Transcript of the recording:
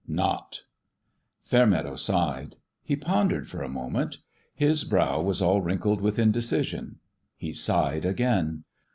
"Not!" Fairmeadow sighed. He pondered for a mo ment. His brow was all wrinkled with inde cision. He sighed again.